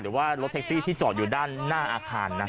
หรือว่ารถแท็กซี่ที่จอดอยู่ด้านหน้าอาคาร